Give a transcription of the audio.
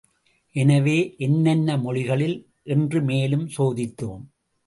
எனவே என்னென்ன மொழிகளில் என்று மேலும் சோதித்தோம்.